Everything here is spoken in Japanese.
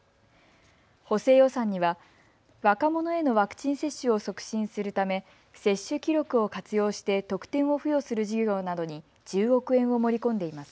補正予算には若者へのワクチン接種を促進するため接種記録を活用して特典を付与する事業などに１０億円を盛り込んでいます。